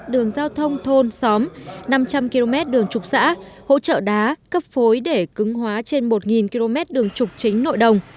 đường giao thông thôn xóm năm trăm linh km đường trục xã hỗ trợ đá cấp phối để cứng hóa trên một km đường trục chính nội đồng